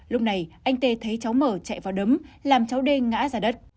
lúc này anh t thấy cháu m chạy vào đấm làm cháu d ngã ra đất